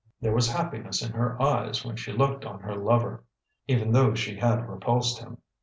There was happiness in her eyes when she looked on her lover, even though she had repulsed him.